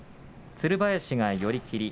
つる林が寄り切り。